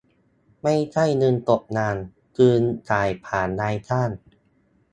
ไม่ใช่เงินตกงาน คือจ่ายผ่านนายจ้าง